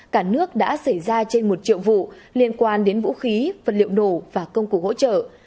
cả nước đã xảy ra trên một triệu vụ liên quan đến vũ khí vật liệu nổ và công cụ hỗ trợ